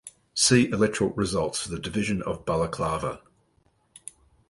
See Electoral results for the Division of Balaclava.